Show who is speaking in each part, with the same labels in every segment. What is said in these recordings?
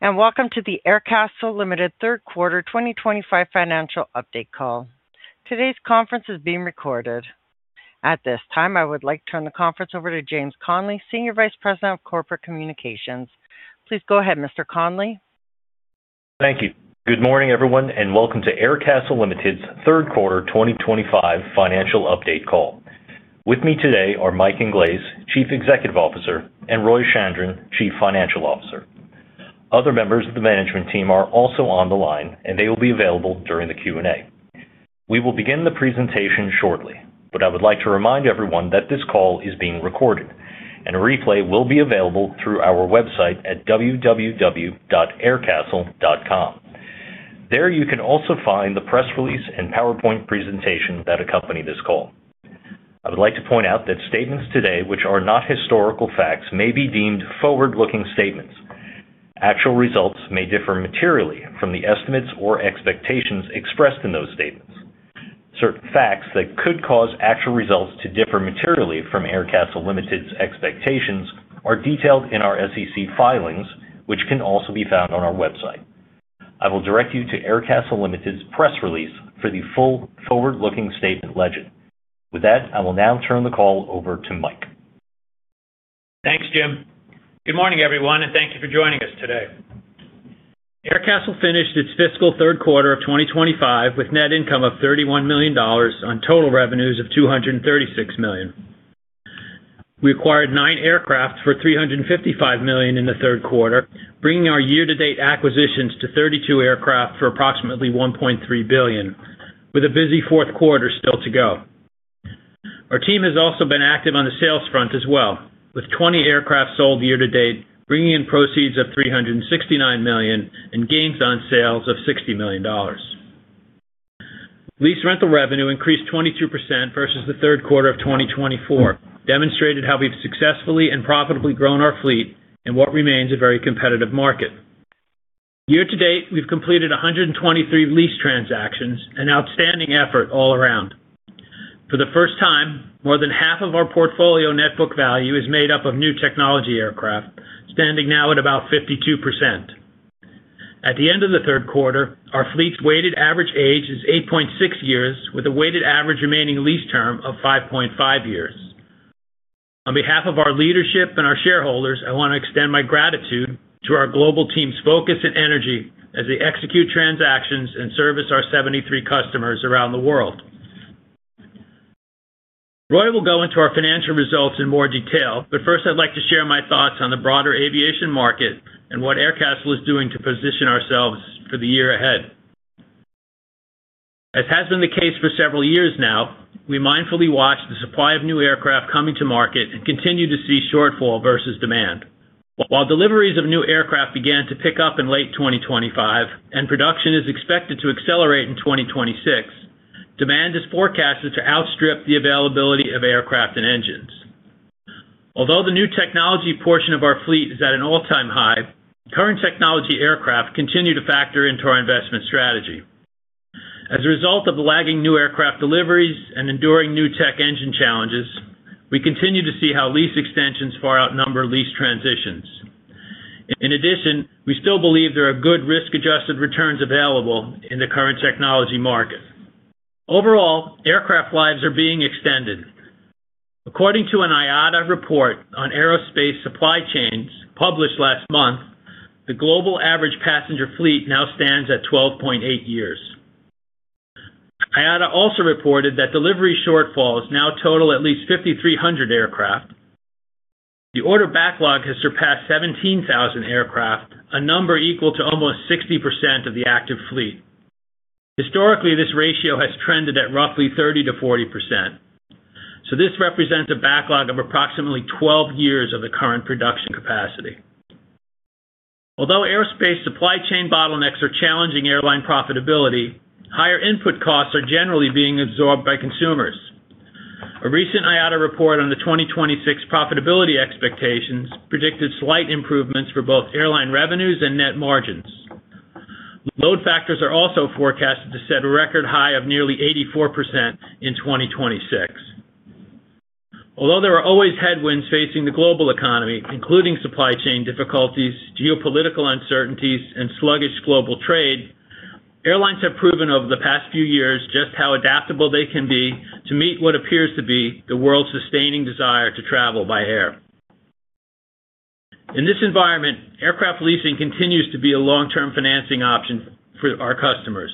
Speaker 1: And welcome to the Aircastle Limited Third Quarter 2025 Financial Update Call. Today's conference is being recorded. At this time, I would like to turn the conference over to James Connelly, Senior Vice President of Corporate Communications. Please go ahead, Mr. Connelly.
Speaker 2: Thank you. Good morning, everyone, and welcome to Aircastle Limited's Third Quarter 2025 Financial Update Call. With me today are Mike Inglese, Chief Executive Officer, and Roy Chandran, Chief Financial Officer. Other members of the management team are also on the line, and they will be available during the Q&A. We will begin the presentation shortly, but I would like to remind everyone that this call is being recorded, and a replay will be available through our website at www.aircastle.com. There you can also find the press release and PowerPoint presentation that accompany this call. I would like to point out that statements today, which are not historical facts, may be deemed forward-looking statements. Actual results may differ materially from the estimates or expectations expressed in those statements. Certain facts that could cause actual results to differ materially from Aircastle Limited's expectations are detailed in our SEC filings, which can also be found on our website. I will direct you to Aircastle Limited's press release for the full forward-looking statement legend. With that, I will now turn the call over to Mike.
Speaker 3: Thanks, Jim. Good morning, everyone, and thank you for joining us today. Aircastle finished its fiscal third quarter of 2025 with net income of $31 million on total revenues of $236 million. We acquired nine aircraft for $355 million in the third quarter, bringing our year-to-date acquisitions to 32 aircraft for approximately $1.3 billion, with a busy fourth quarter still to go. Our team has also been active on the sales front as well, with 20 aircraft sold year-to-date, bringing in proceeds of $369 million and gains on sales of $60 million. Lease rental revenue increased 22% versus the third quarter of 2024, demonstrating how we've successfully and profitably grown our fleet in what remains a very competitive market. Year-to-date, we've completed 123 lease transactions, an outstanding effort all around. For the first time, more than half of our portfolio net book value is made up of new technology aircraft, standing now at about 52%. At the end of the third quarter, our fleet's weighted average age is 8.6 years, with a weighted average remaining lease term of 5.5 years. On behalf of our leadership and our shareholders, I want to extend my gratitude to our global team's focus and energy as they execute transactions and service our 73 customers around the world. Roy will go into our financial results in more detail, but first, I'd like to share my thoughts on the broader aviation market and what Aircastle is doing to position ourselves for the year ahead. As has been the case for several years now, we mindfully watch the supply of new aircraft coming to market and continue to see shortfall versus demand. While deliveries of new aircraft began to pick up in late 2025 and production is expected to accelerate in 2026, demand is forecasted to outstrip the availability of aircraft and engines. Although the new technology portion of our fleet is at an all-time high, current technology aircraft continue to factor into our investment strategy. As a result of the lagging new aircraft deliveries and enduring new tech engine challenges, we continue to see how lease extensions far outnumber lease transitions. In addition, we still believe there are good risk-adjusted returns available in the current technology market. Overall, aircraft lives are being extended. According to an IATA report on aerospace supply chains published last month, the global average passenger fleet now stands at 12.8 years. IATA also reported that delivery shortfalls now total at least 5,300 aircraft. The order backlog has surpassed 17,000 aircraft, a number equal to almost 60% of the active fleet. Historically, this ratio has trended at roughly 30%-40%, so this represents a backlog of approximately 12 years of the current production capacity. Although aerospace supply chain bottlenecks are challenging airline profitability, higher input costs are generally being absorbed by consumers. A recent IATA report on the 2026 profitability expectations predicted slight improvements for both airline revenues and net margins. Load factors are also forecasted to set a record high of nearly 84% in 2026. Although there are always headwinds facing the global economy, including supply chain difficulties, geopolitical uncertainties, and sluggish global trade, airlines have proven over the past few years just how adaptable they can be to meet what appears to be the world's sustaining desire to travel by air. In this environment, aircraft leasing continues to be a long-term financing option for our customers.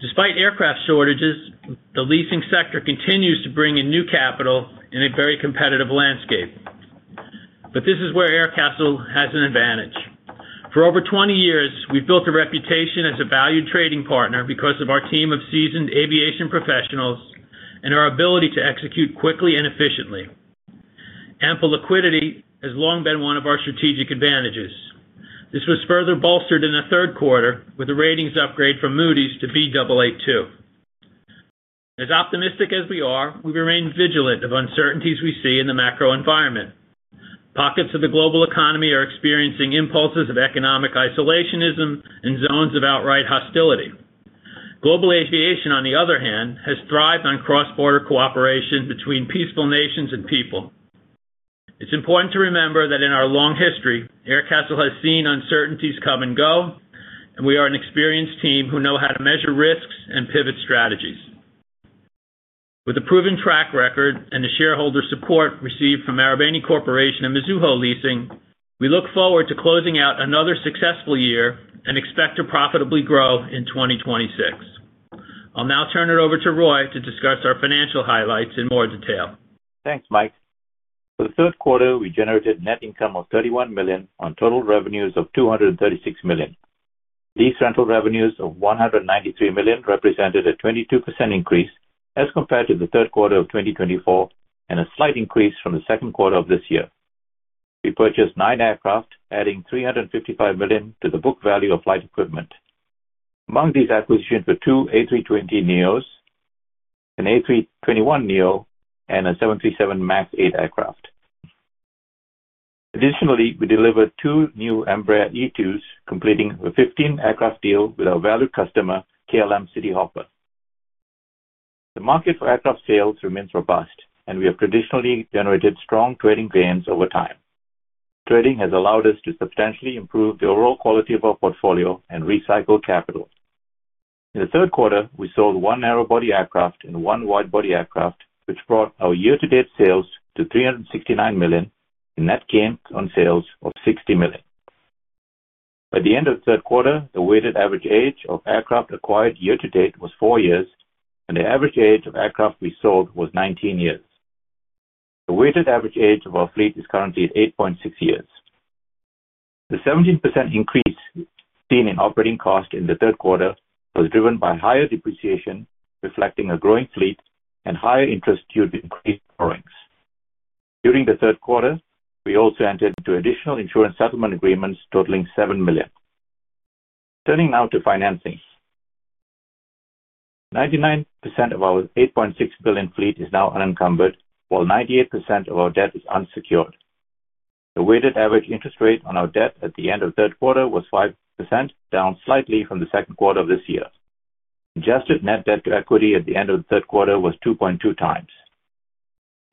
Speaker 3: Despite aircraft shortages, the leasing sector continues to bring in new capital in a very competitive landscape. But this is where Aircastle has an advantage. For over 20 years, we've built a reputation as a valued trading partner because of our team of seasoned aviation professionals and our ability to execute quickly and efficiently. Ample liquidity has long been one of our strategic advantages. This was further bolstered in the third quarter with a ratings upgrade from Moody's to Baa2. As optimistic as we are, we remain vigilant of uncertainties we see in the macro environment. Pockets of the global economy are experiencing impulses of economic isolationism and zones of outright hostility. Global aviation, on the other hand, has thrived on cross-border cooperation between peaceful nations and people. It's important to remember that in our long history, Aircastle has seen uncertainties come and go, and we are an experienced team who know how to measure risks and pivot strategies. With a proven track record and the shareholder support received from Marubeni Corporation and Mizuho Leasing, we look forward to closing out another successful year and expect to profitably grow in 2026. I'll now turn it over to Roy to discuss our financial highlights in more detail.
Speaker 4: Thanks, Mike. For the third quarter, we generated net income of $31 million on total revenues of $236 million. Lease rental revenues of $193 million represented a 22% increase as compared to the third quarter of 2024 and a slight increase from the second quarter of this year. We purchased nine aircraft, adding $355 million to the book value of flight equipment. Among these acquisitions were two A320neos, an A321neo, and a 737 MAX 8 aircraft. Additionally, we delivered two new Embraer E2s, completing a 15-aircraft deal with our valued customer, KLM Cityhopper. The market for aircraft sales remains robust, and we have traditionally generated strong trading gains over time. Trading has allowed us to substantially improve the overall quality of our portfolio and recycle capital. In the third quarter, we sold one narrowbody aircraft and one widebody aircraft, which brought our year-to-date sales to $369 million, and that came on sales of $60 million. By the end of the third quarter, the weighted average age of aircraft acquired year-to-date was four years, and the average age of aircraft we sold was 19 years. The weighted average age of our fleet is currently at 8.6 years. The 17% increase seen in operating cost in the third quarter was driven by higher depreciation, reflecting a growing fleet and higher interest due to increased borrowings. During the third quarter, we also entered into additional insurance settlement agreements totaling $7 million. Turning now to financing. 99% of our $8.6 billion fleet is now unencumbered, while 98% of our debt is unsecured. The weighted average interest rate on our debt at the end of the third quarter was 5%, down slightly from the second quarter of this year. Adjusted net debt to equity at the end of the third quarter was 2.2 times.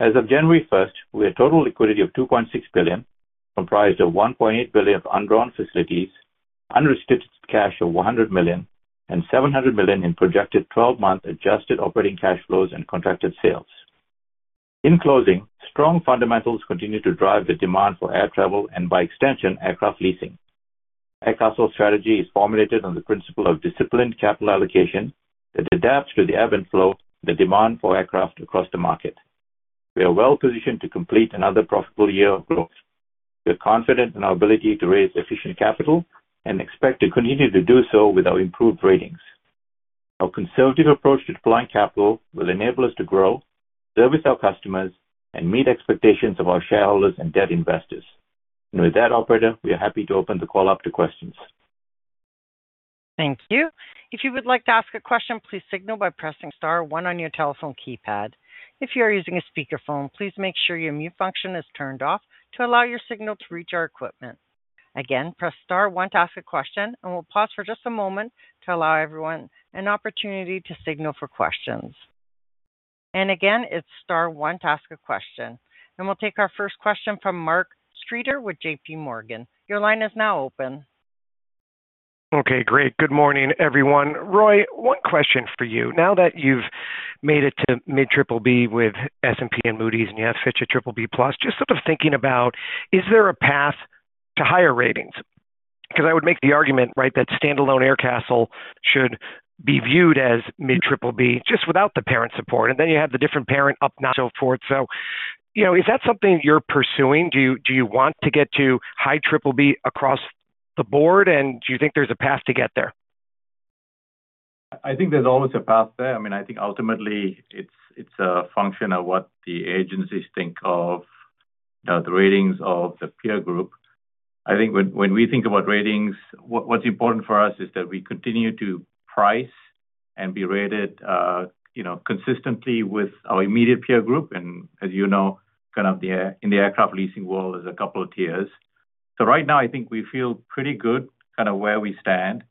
Speaker 4: As of January 1st, we had total liquidity of $2.6 billion, comprised of $1.8 billion of undrawn facilities, unrestricted cash of $100 million, and $700 million in projected 12-month adjusted operating cash flows and contracted sales. In closing, strong fundamentals continue to drive the demand for air travel and, by extension, aircraft leasing. Aircastle's strategy is formulated on the principle of disciplined capital allocation that adapts to the ebb and flow of the demand for aircraft across the market. We are well-positioned to complete another profitable year of growth. We are confident in our ability to raise efficient capital and expect to continue to do so with our improved ratings. Our conservative approach to deploying capital will enable us to grow, service our customers, and meet expectations of our shareholders and debt investors. And with that, Operator, we are happy to open the call up to questions.
Speaker 1: Thank you. If you would like to ask a question, please signal by pressing star one on your telephone keypad. If you are using a speakerphone, please make sure your mute function is turned off to allow your signal to reach our equipment. Again, press star one to ask a question, and we'll pause for just a moment to allow everyone an opportunity to signal for questions, and again, it's star one to ask a question, and we'll take our first question from Mark Streeter with JPMorgan. Your line is now open.
Speaker 5: Okay, great. Good morning, everyone. Roy, one question for you. Now that you've made it to mid-BBB with S&P and Moody's and you have Fitch at BBB+, just sort of thinking about, is there a path to higher ratings? Because I would make the argument, right, that standalone Aircastle should be viewed as mid-BBB just without the parent support, and then you have the different parent support. And so forth. So is that something you're pursuing? Do you want to get to high BBB across the board, and do you think there's a path to get there?
Speaker 4: I think there's always a path there. I mean, I think ultimately it's a function of what the agencies think of, the ratings of the peer group. I think when we think about ratings, what's important for us is that we continue to price and be rated consistently with our immediate peer group. And as you know, kind of in the aircraft leasing world, there's a couple of tiers. So right now, I think we feel pretty good kind of where we stand.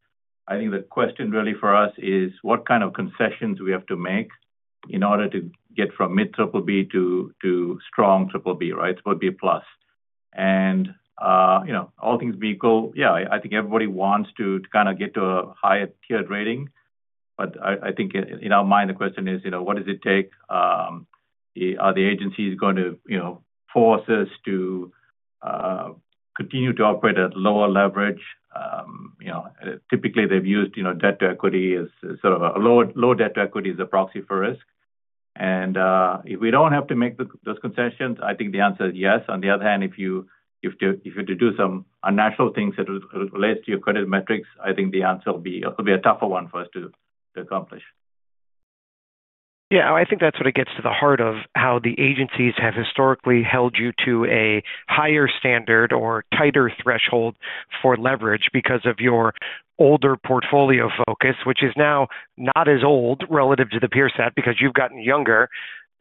Speaker 4: I think the question really for us is what kind of concessions we have to make in order to get from mid-BBB to strong BBB, right, to BBB+. And all things being equal, yeah, I think everybody wants to kind of get to a higher tiered rating. But I think in our mind, the question is, what does it take? Are the agencies going to force us to continue to operate at lower leverage? Typically, they've used debt to equity as sort of a low debt to equity as a proxy for risk. And if we don't have to make those concessions, I think the answer is yes. On the other hand, if you have to do some unnatural things that relate to your credit metrics, I think the answer will be a tougher one for us to accomplish.
Speaker 5: Yeah, I think that sort of gets to the heart of how the agencies have historically held you to a higher standard or tighter threshold for leverage because of your older portfolio focus, which is now not as old relative to the peer set because you've gotten younger,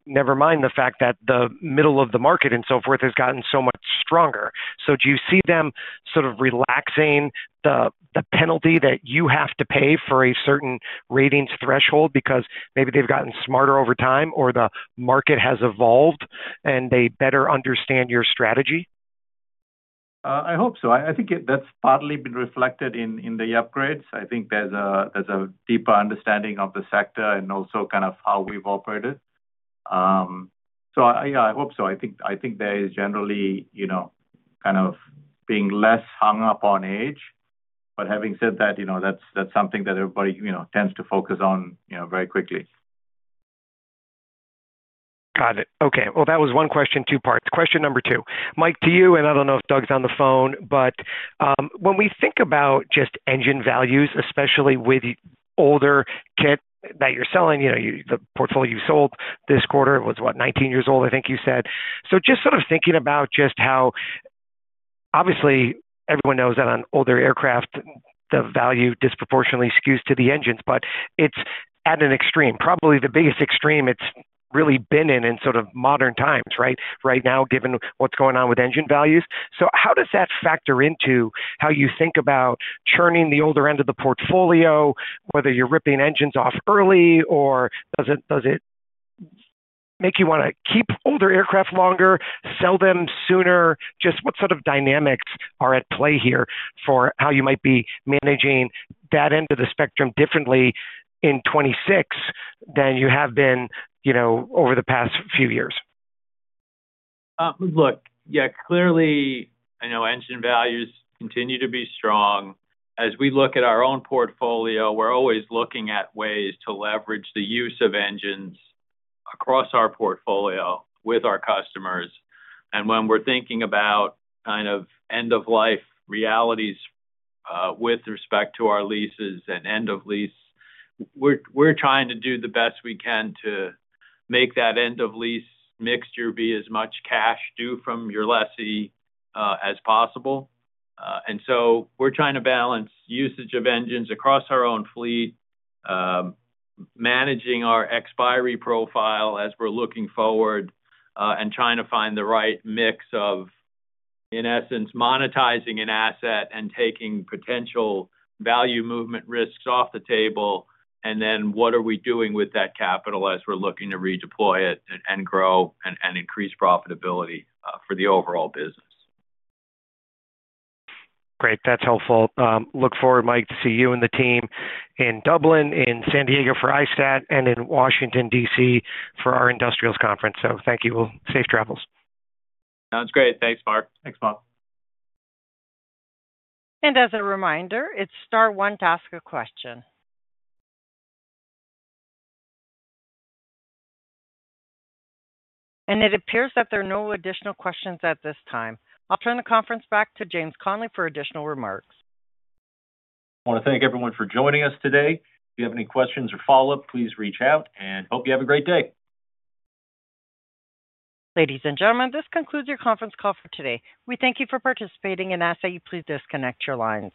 Speaker 5: never mind the fact that the middle of the market and so forth has gotten so much stronger. So do you see them sort of relaxing the penalty that you have to pay for a certain ratings threshold because maybe they've gotten smarter over time or the market has evolved and they better understand your strategy?
Speaker 4: I hope so. I think that's partly been reflected in the upgrades. I think there's a deeper understanding of the sector and also kind of how we've operated. So yeah, I hope so. I think there is generally kind of being less hung up on age. But having said that, that's something that everybody tends to focus on very quickly.
Speaker 5: Got it. Okay. Well, that was one question, two parts. Question number two, Mike, to you, and I don't know if Doug's on the phone, but when we think about just engine values, especially with older kit that you're selling, the portfolio you sold this quarter was, what, 19 years old, I think you said. So just sort of thinking about just how obviously everyone knows that on older aircraft, the value disproportionately skews to the engines, but it's at an extreme. Probably the biggest extreme it's really been in sort of modern times, right? Right now, given what's going on with engine values. So how does that factor into how you think about churning the older end of the portfolio, whether you're ripping engines off early, or does it make you want to keep older aircraft longer, sell them sooner? Just what sort of dynamics are at play here for how you might be managing that end of the spectrum differently in 2026 than you have been over the past few years?
Speaker 3: Look, yeah, clearly, I know engine values continue to be strong. As we look at our own portfolio, we're always looking at ways to leverage the use of engines across our portfolio with our customers. And when we're thinking about kind of end-of-life realities with respect to our leases and end-of-lease, we're trying to do the best we can to make that end-of-lease mixture be as much cash due from your lessee as possible. And so we're trying to balance usage of engines across our own fleet, managing our expiry profile as we're looking forward, and trying to find the right mix of, in essence, monetizing an asset and taking potential value movement risks off the table. And then what are we doing with that capital as we're looking to redeploy it and grow and increase profitability for the overall business?
Speaker 5: Great. That's helpful. Look forward, Mike, to see you and the team in Dublin, in San Diego for ISTAT, and in Washington, D.C. for our Industrials Conference. So thank you. Well, safe travels.
Speaker 3: Sounds great. Thanks, Mark. Thanks, Bob.
Speaker 1: As a reminder, it's star one to ask a question. It appears that there are no additional questions at this time. I'll turn the conference back to James Connelly for additional remarks.
Speaker 2: I just want to thank everyone for joining us today. If you have any questions or follow-up, please reach out, and hope you have a great day.
Speaker 1: Ladies and gentlemen, this concludes your conference call for today. We thank you for participating and ask that you please disconnect your lines.